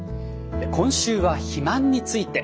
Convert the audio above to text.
今週は肥満について。